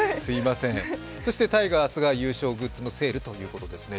タイガースが優勝グッズのセールということですね。